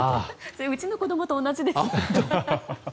うちの子供と同じです。